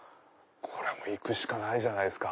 行くしかないじゃないですか。